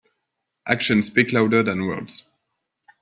Actions speak louder than words.